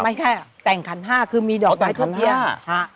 ไม่ใช่แต่งขันห้าคือมีดอกไม้ทูบเทียน